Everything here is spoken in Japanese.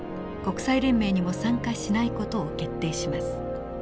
国際連盟にも参加しない事を決定します。